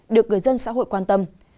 được người dân xã hội quan tâm